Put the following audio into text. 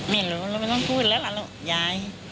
ไม่รู้เราไม่ต้องพูดแล้วล่ะลูกยาย